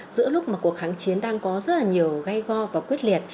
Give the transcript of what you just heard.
giữa lúc mà cuộc kháng chiến đang có rất là nhiều gây go và quyết liệt